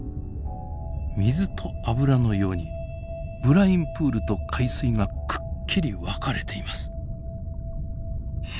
水と油のようにブラインプールと海水がくっきり分かれています。